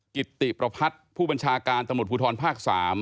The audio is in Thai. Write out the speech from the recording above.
กิติประพัฒน์ผู้บัญชาการตำรวจภูทรภาค๓